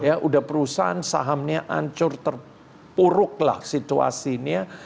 ya udah perusahaan sahamnya ancur terpuruk lah situasinya